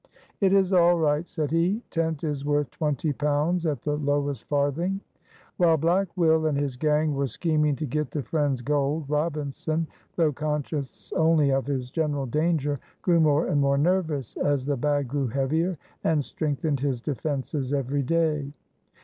"It is all right," said he, "tent is worth twenty pounds at the lowest farthing." While Black Will and his gang were scheming to get the friends' gold, Robinson, though conscious only of his general danger, grew more and more nervous as the bag grew heavier, and strengthened his defenses every day.